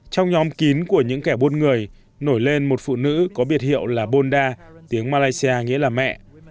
trong nhóm kín của những kẻ buôn người nổi lên một phụ nữ có biệt hiệu là bonda tiếng malaysia nghĩa là mẹ